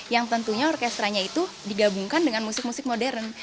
yang tentunya orkestranya itu digabungkan dengan musik musik modern